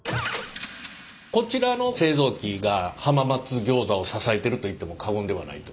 こちらの製造機が浜松餃子を支えてると言っても過言ではないという。